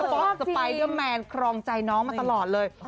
โดยสป็อกสปายเดอร์แมนคลองใจน้องมาตลอดเลย